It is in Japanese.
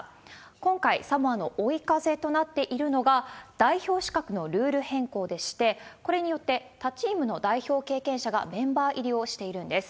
今回、サモアの追い風となっているのが代表資格のルール変更でして、これによって他チームの代表経験者がメンバー入りをしているんです。